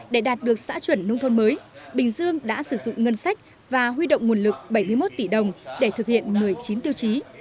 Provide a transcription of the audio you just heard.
để đạt được xã chuẩn nông thôn mới bình dương đã sử dụng ngân sách và huy động nguồn lực bảy mươi một tỷ đồng để thực hiện một mươi chín tiêu chí